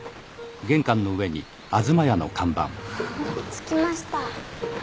着きました。